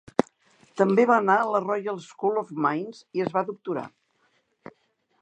També va anar a la Royal School of Mines i es va doctorar.